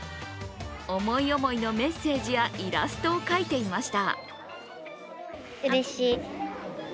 思い思いのメッセージやイラストを描いていました。